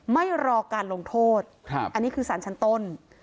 ไม่รอการลงโทษอันนี้คือสารชั้นต้น